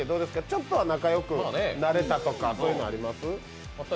ちょっとは仲良くなれたとか、そういうのあります？